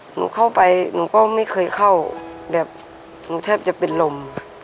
หนูเข้าไปหนูก็ไม่เคยเข้าแบบหนูแทบจะเป็นลม